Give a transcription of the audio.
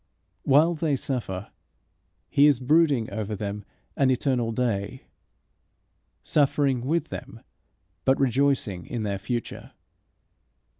While they suffer he is brooding over them an eternal day, suffering with them but rejoicing in their future.